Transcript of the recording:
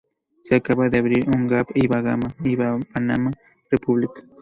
Se acaba de abrir un Gap y Banana Republic.